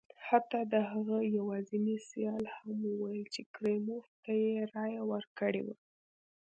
حتی د هغه یوازیني سیال هم وویل چې کریموف ته یې رایه ورکړې وه.